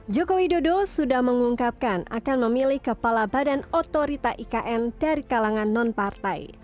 jokowi dodo sudah mengungkapkan akan memilih kepala badan otorita ikn dari kalangan nonpartai